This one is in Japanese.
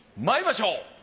まいりましょう。